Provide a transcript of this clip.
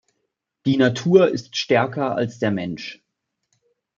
Die Natur ist stärker als der Mensch.